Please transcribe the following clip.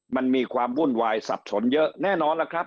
มันมีความวุ่นวายสับสนเยอะแน่นอนล่ะครับ